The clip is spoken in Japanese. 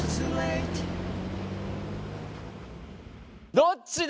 どっちだ？